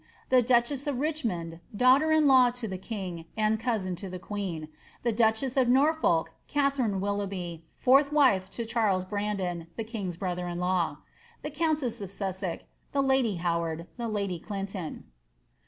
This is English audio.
The duchess of Richmond (daughter in law to the king, and cousin to the queen) The duchess of Norfolk (Katharine Willoughby, fourth wife to Charles Brandon, the king's brother in law). The G>tinte88 of Sussex. The lady Howard. Tlie lady Clinton.